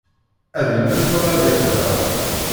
Ad immet, wala ad ixdeɛ.